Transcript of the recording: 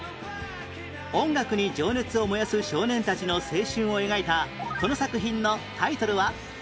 音楽に情熱を燃やす少年たちの青春を描いたこの作品のタイトルは？